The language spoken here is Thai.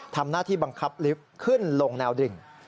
ทำหน้าที่บังคับลิฟต์ขึ้นลงแนวดิ่ง